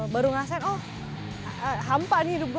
baru ngerasain oh hampa nih hidup gue